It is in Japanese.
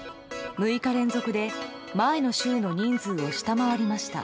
６日連続で前の週の人数を下回りました。